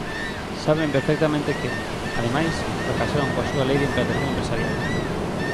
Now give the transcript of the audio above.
Saben perfectamente que, ademais, fracasaron coa súa lei de implantación empresarial.